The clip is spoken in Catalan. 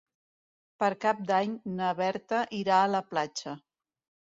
Per Cap d'Any na Berta irà a la platja.